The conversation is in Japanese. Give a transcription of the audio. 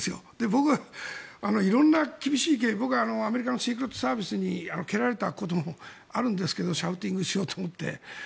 僕は色んな厳しい僕はアメリカのシークレットサービスに蹴られたこともあるんですけどシャウティングしようと思って。